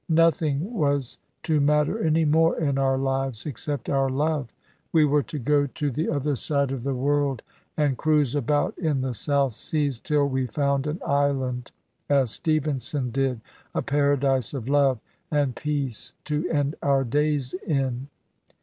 Nothing was to matter any more in our lives except our love. We were to go to the other side of the world and cruise about in the South Seas till we found an island, as Stevenson did, a paradise of love and peace, to end our days in.